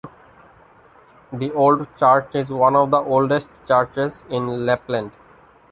The old church is one of the oldest churches in Lapland.